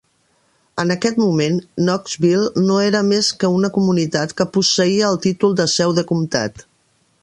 En aquest moment, Knoxville no era més que una comunitat que posseïa el títol de seu de comtat.